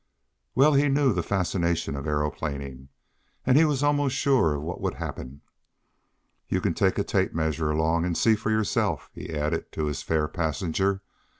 Well he knew the fascination of aeroplaning, and he was almost sure of what would happen. "You can take a tape measure along, and see for yourself," he added to his fair passenger.